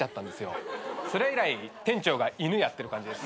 それ以来店長が犬やってる感じです。